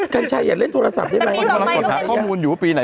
แกนชายอย่าเรียนโทรศัพท์ใช่ไหมตอนนี้ต่อไปก็เป็นเจ้าจดเล่นไลน์